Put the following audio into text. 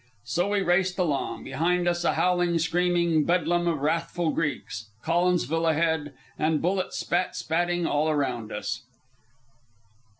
So we raced along, behind us a howling, screaming bedlam of wrathful Greeks, Collinsville ahead, and bullets spat spatting all around us.